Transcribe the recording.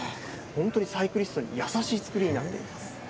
本当にサイクリストに優しい造りになっています。